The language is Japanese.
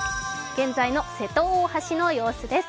現在の瀬戸大橋の様子です。